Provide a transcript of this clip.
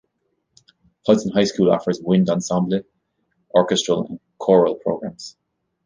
Hudson High school offers wind ensemble, orchestral, and choral programs.